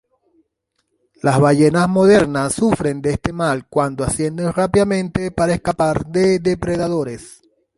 Las ballenas modernas sufren de este mal cuando ascienden rápidamente para escapar de depredadores.